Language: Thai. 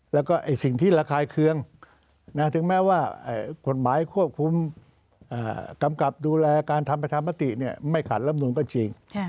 แล้วก็สิ่งที่ระคายเคืองถึงแม้ว่ากฎหมายควบคุมกำกับดูแลการทำประชามติไม่ขัดลำนูนก็จริง